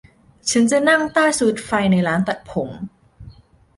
ฉันจะนั่งใต้สวิตช์ไฟในร้านตัดผม